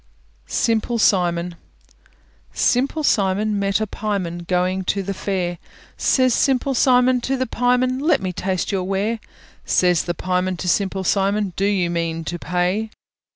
SIMPLE SIMON Simple Simon met a pieman, Going to the fair; Says Simple Simon to the pieman, "Let me taste your ware." Says the pieman to Simple Simon, "Do you mean to pay?"